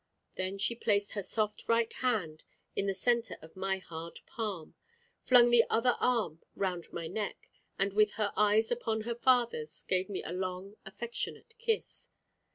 Then she placed her soft right hand in the centre of my hard palm, flung the other arm round my neck, and with her eyes upon her father's, gave me a long affectionate kiss.